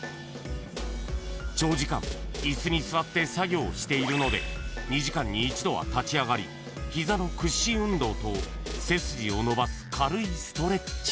［長時間椅子に座って作業しているので２時間に１度は立ち上がり膝の屈伸運動と背筋を伸ばす軽いストレッチ］